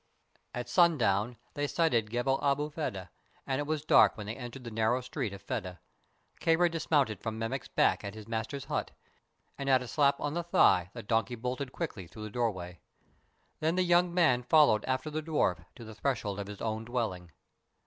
At sundown they sighted Gebel Abu Fedah, and it was dark when they entered the narrow street of Fedah. Kāra dismounted from Mammek's back at its master's hut, and at a slap on the thigh the donkey bolted quickly through the doorway. Then the young man followed after the dwarf to the threshold of his own dwelling.